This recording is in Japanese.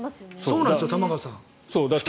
そうなんですよ玉川さん。